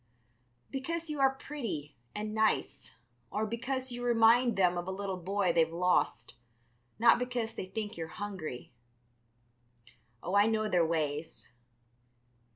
"Because you are pretty and nice, or because you remind them of a little boy they've lost, not because they think you're hungry. Oh, I know their ways.